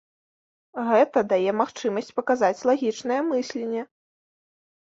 Гэта дае магчымасць паказаць лагічнае мысленне.